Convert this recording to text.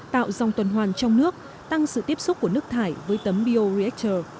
tạo dòng tuần hoàn trong nước tăng sự tiếp xúc của nước thải với tấm bioreactor